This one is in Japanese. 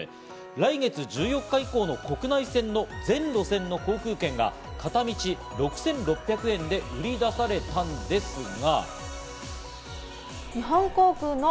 来月１４日以降の国内線の全路線の航空券が、片道６６００円で売り出されたんですが。